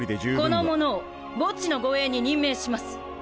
この者をボッジの護衛に任命します。